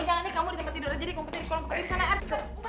eh jangan aja kamu di tempat tidur aja di komputer di kolam